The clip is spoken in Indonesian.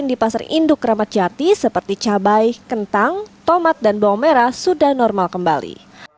di pasar induk ramadjati seperti cabai kentang tomat dan bawang merah sudah normal kembali